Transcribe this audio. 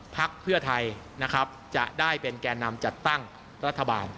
พักเพื่อไทยนะครับจะได้เป็นแก่นำจัดตั้งรัฐบาล